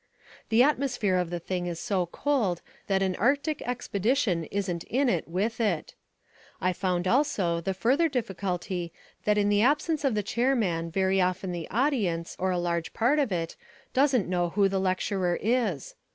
The atmosphere of the thing is so cold that an 'Arctic expedition isn't in it with it. I found also the further difficulty that in the absence of the chairman very often the audience, or a large part of it, doesn't know who the lecturer is.